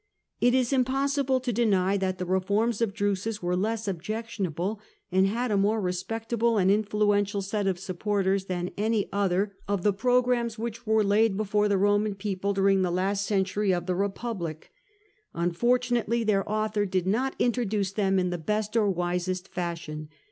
It is impossible to deny that the reforms of Drusus were less objectionable, and had a more respectable and influential set of supporters, than any other of the io6 FEOM THE GEACCHI TO SULLA programmes whicli were laid before tlie Roman people daring the last century of the Republic. Unfortunately their author did not introduce them in the best or wisest fashion.